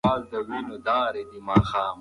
ټولنیز پوهه یوازې په کتابونو نه پیاوړې کېږي.